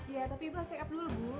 ya tapi ibu harus check up dulu bu